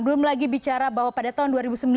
belum lagi bicara bahwa pada tahun dua ribu sembilan belas